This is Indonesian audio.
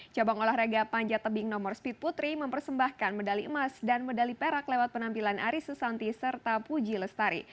cabang olahraga panjat tebing nomor speed putri mempersembahkan medali emas dan medali perak lewat penampilan aris susanti serta puji lestari